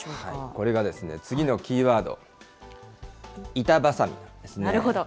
これが次のキーワード、板挟みですね。